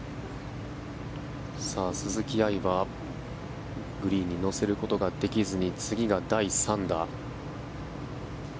鈴木愛はグリーンに乗せることができずに次が第３打。